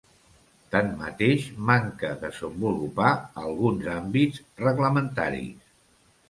Tanmateix, manca desenvolupar alguns àmbits reglamentaris.